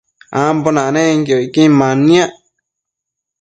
ambo nanenquio icquin manniac